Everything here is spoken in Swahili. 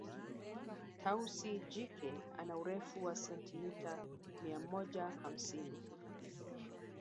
Tausi jike ana Urefu wa sentimita mia moja hamsini